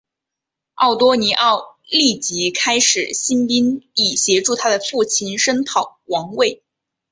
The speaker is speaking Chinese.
奥多尼奥立即开始兴兵以协助他的父亲声讨王位。